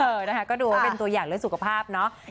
เออนะคะก็ดูว่าเป็นตัวอย่างเรื่องสุขภาพเนาะ